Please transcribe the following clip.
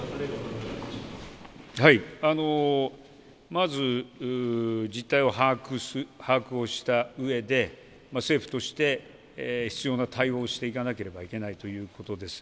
まず事態を把握したうえで政府として必要な対応をしていかなければならないということです。